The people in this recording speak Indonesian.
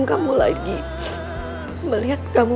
kamu selalu memahami